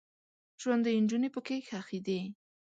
ژوندۍ نجونې پکې ښخیدې.